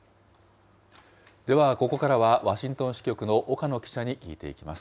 では、ここからはワシントン支局の岡野記者に聞いていきます。